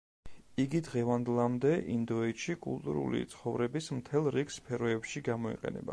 იგი დღევანდლამდე ინდოეთში კულტურული ცხოვრების მთელ რიგ სფეროებში გამოიყენება.